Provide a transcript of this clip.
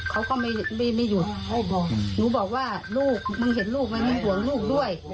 เขาก็ไม่ไม่ไม่หยุดไม่บอกหนูบอกว่าลูกมึงเห็นลูกมันมีหัวลูกด้วย